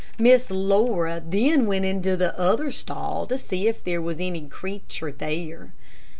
Miss Laura then went into the other stall to see if there was any creature there.